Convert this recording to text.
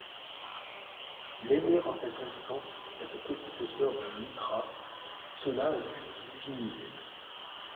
L'aimer en cet instant, cette petite sœur de Mithra, cela l'eût divinisé.